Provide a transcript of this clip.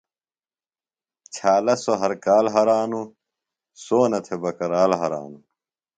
چھالہ سوۡ ہر کال ہرانوۡ ، سونہ تھۡے بکرال ہرانوۡ